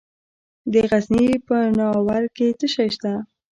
د غزني په ناوور کې څه شی شته؟